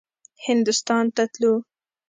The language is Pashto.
هندوستان ته تلو.